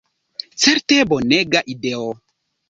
Certe bonega ideo.